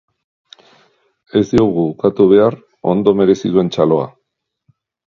Ez diogu ukatu behar ondo merezi duen txaloa.